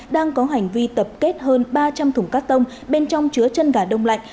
đang có hành vi tập kết hơn ba trăm linh thùng cát tông bên trong chứa chân gà đông lạnh